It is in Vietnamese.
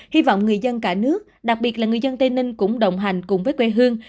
hy vọng người dân cả nước đặc biệt là người dân tây ninh cũng đồng hành cùng với quê hương